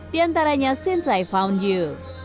di antaranya since i found you